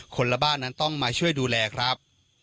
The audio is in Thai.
คนละบ้านนั้นต้องมาช่วยดูแลครับ